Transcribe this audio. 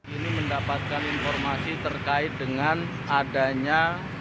ini mendapatkan informasi terkait dengan adanya